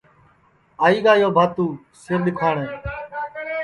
آئی گا یو بھاتو سِر دُؔکھاٹے